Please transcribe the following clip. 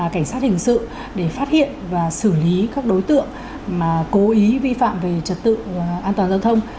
cảnh sát hình sự để phát hiện và xử lý các đối tượng cố ý vi phạm về trật tự an toàn giao thông